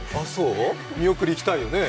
見送り行きたいよね。